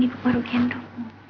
itu baru yang doang